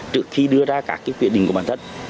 trước khi đưa ra các quyết định của bản thân